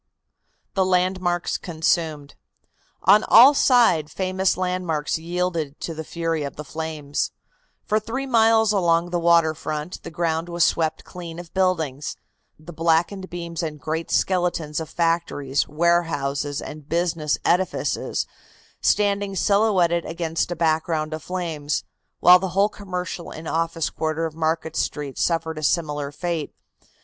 THE LANDMARKS CONSUMED. On all sides famous landmarks yielded to the fury of the flames. For three miles along the water front the ground was swept clean of buildings, the blackened beams and great skeletons of factories, warehouses and business edifices standing silhouetted against a background of flames, while the whole commercial and office quarter of Market Street suffered a similar fate.